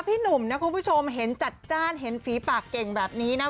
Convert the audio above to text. พี่หนุ่มนะคุณผู้ชมเห็นจัดจ้านเห็นฝีปากเก่งแบบนี้นะ